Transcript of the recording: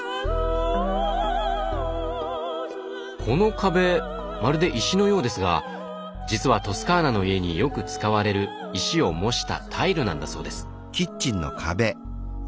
この壁まるで石のようですが実はトスカーナの家によく使われる石を模したタイルなんだそうです。